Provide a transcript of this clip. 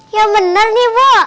ya bener nih ibu